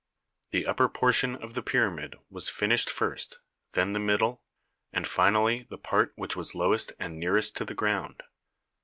The upper portion of the pyramid was finished first, then the middle, and finally the part which was lowest and nearest to the ground.